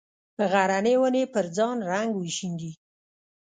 غرنې ونې پر ځان رنګ وشیندي